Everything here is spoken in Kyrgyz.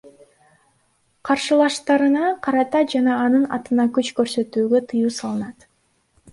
Каршылаштарына карата жана анын атына күч көрсөтүүгө тыюу салынат.